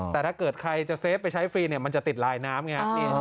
แต่ถ้าเกิดใครจะเซฟไปใช้ฟรีมันจะติดลายน้ำไง